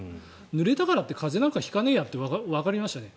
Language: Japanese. ぬれたからって風邪なんか引かねえやってわかりましたね。